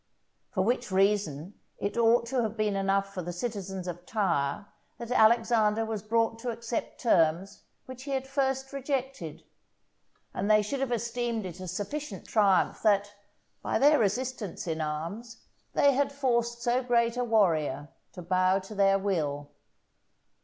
For which reason it ought to have been enough for the citizens of Tyre that Alexander was brought to accept terms which he had at first rejected; and they should have esteemed it a sufficient triumph that, by their resistance in arms, they had forced so great a warrior to bow to their will.